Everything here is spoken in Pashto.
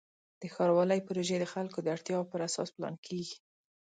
د ښاروالۍ پروژې د خلکو د اړتیاوو پر اساس پلان کېږي.